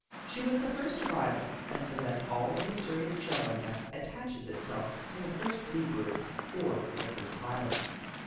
She was the first arrival, and possessed all the mysterious charm that attaches itself to the first blue bird or the first violet.